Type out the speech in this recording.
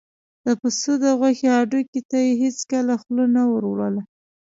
د پس د غوښې هډوکي ته یې هېڅکله خوله نه وروړله.